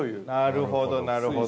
◆なるほど、なるほど。